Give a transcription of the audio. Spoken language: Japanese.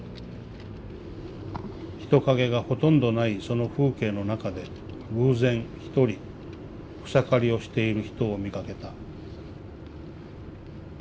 「人影がほとんどないその風景の中で偶然ひとり草刈りをしている人を見かけた」。